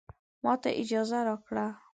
ماته اجازه راکړه